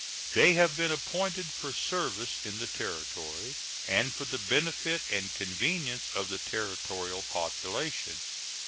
They have been appointed for service in the Territory and for the benefit and convenience of the Territorial population.